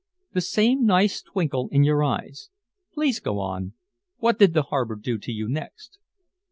"The same nice twinkle in your eyes. Please go on. What did the harbor do to you next?"